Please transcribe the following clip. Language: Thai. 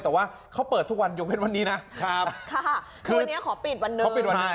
แต่ว่าเขาเปิดทุกวันยกเป็นวันนี้นะค่ะคือวันนี้ขอปิดวันหนึ่ง